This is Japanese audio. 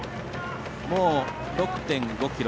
もう、６．５ｋｍ。